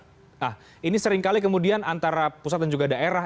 nah ini seringkali kemudian antara pusat dan juga daerah